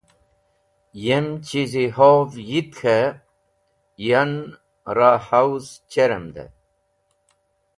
Yem chiziho’v yit k̃he yan ra hawz cheremd.